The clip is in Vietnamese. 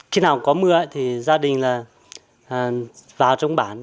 khi nào có mưa thì gia đình là vào trong bản